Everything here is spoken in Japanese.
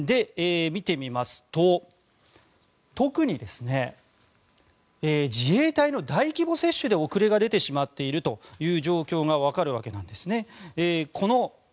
見てみますと、特に自衛隊の大規模接種で遅れが出てしまっているという状況がわかるわけなんですね。